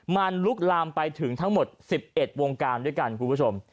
มันลุกลามไปถึงทั้งหมด๑๑วงการด้วยกันคุณผู้ชม